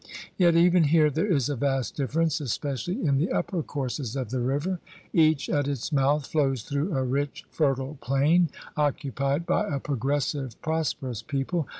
Yet even here there is a vast difference, especially in the upper courses of the river. Each at its mouth flows through a rich, fertile plain occupied 50 THE RED MAN'S CONTINENT by a progressive, prosperous people.